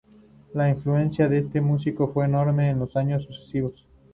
La influencia de este músico fue enorme en los años sucesivos.